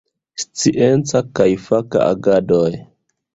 Scienca kaj faka agadoj.